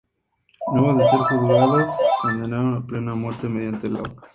Luego de ser juzgados, los condenaron a la pena de muerte mediante la horca.